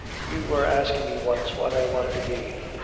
You was asking me once what I wanted to be.